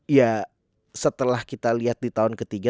ya setelah kita lihat di tahun ketiga